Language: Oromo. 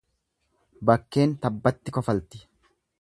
Bakkeen tabbatti kofalti.